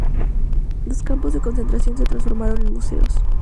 Los campos de concentración se transformaron en museos.